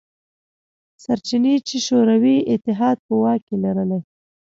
سرچینې چې شوروي اتحاد په واک کې لرلې.